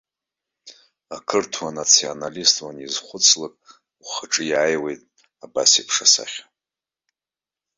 Ақырҭуа националист уанизхәыцлак, ухаҿы иааиуеит абасеиԥш асахьа.